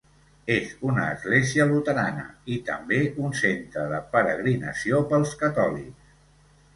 És una església luterana, i també un centre de peregrinació pels catòlics.